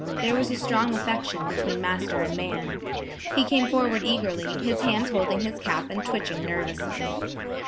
There was a strong affection between master and man. He came forward eagerly, his hands holding his cap and twitching nervously.